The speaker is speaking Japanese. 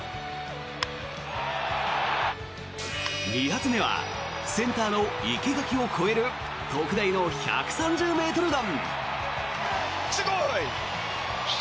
２発目はセンターの生け垣を越える特大の１３０ｍ弾。